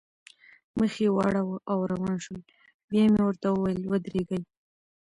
مخ یې واړاوه او روان شول، بیا مې ورته وویل: ودرېږئ.